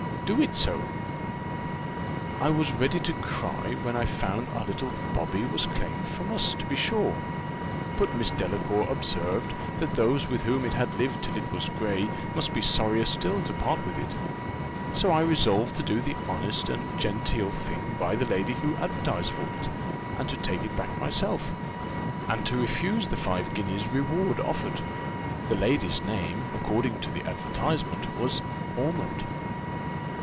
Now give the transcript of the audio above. "Do so, then." "I was ready to cry, when I found our little Bobby was claimed from us, to be sure; but Miss Delacour observed, that those with whom it had lived till it was grey must be sorrier still to part with it: so I resolved to do the honest and genteel thing by the lady who advertised for it, and to take it back myself, and to refuse the five guineas reward offered. The lady's name, according to the advertisement, was Ormond."